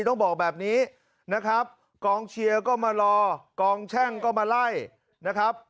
ต้องบอกแบบนี้นะครับกองเชียร์ก็มารอกองแช่งก็มาไล่นะครับ